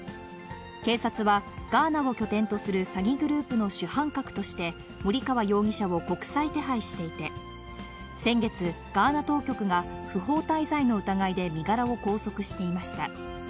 警察は、ガーナを拠点とする詐欺グループの主犯格として、森川容疑者を国際手配していて、先月、ガーナ当局が不法滞在の疑いで身柄を拘束していました。